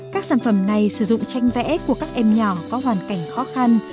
các sản phẩm này sử dụng tranh vẽ của các em nhỏ có hoàn cảnh khó khăn